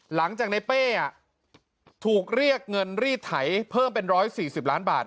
หลังจากในเป้ถูกเรียกเงินรีดไถเพิ่มเป็น๑๔๐ล้านบาท